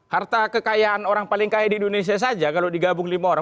harta kekayaan orang paling kaya di indonesia saja kalau digabung lima orang